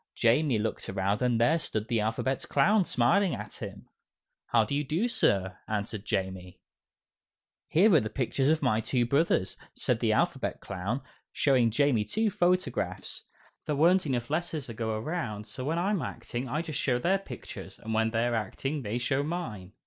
Jamie looked around and there stood the Alphabet Clown smiling at him. "How do you do, Sir!" answered Jamie. "Here are the pictures of my two brothers," said the Alphabet Clown, showing Jamie two photographs; "there weren't enough letters to go around, so when I'm acting, I just show their pictures, and when they are acting, they show mine."